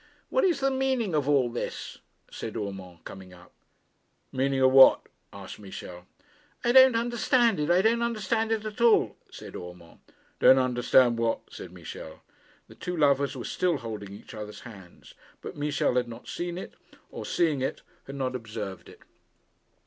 'What is the meaning of all this?' said Urmand, coming up. 'Meaning of what?' asked Michel. 'I don't understand it I don't understand it at all,' said Urmand. 'Don't understand what?' said Michel. The two lovers were still holding each other's hands; but Michel had not seen it; or, seeing it, had not observed it.